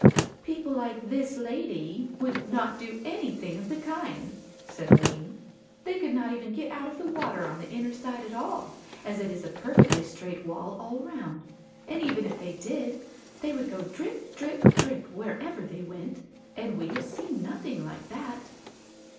"People like this lady would not do anything of the kind," said Aline; "they could not even get out of the water on the inner side at all, as it is a perfectly straight wall all round, and even if they did, they would go drip, drip, drip, wherever they went and we have seen nothing like that."